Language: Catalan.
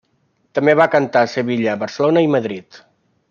També va cantar a Sevilla, Barcelona i Madrid.